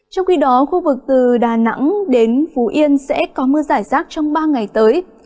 trong khi đó khu vực từ đà nẵng đến phú yên sẽ có mưa giải rác trong ba ngày tới